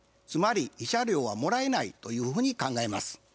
つまり慰謝料はもらえないというふうに考えます。